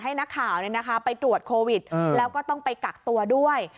ให้นักข่าวไปตรวจโควิดแล้วก็ต้องไปกักตัวด้วย